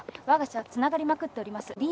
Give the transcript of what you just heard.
わが社はつながりまくっております。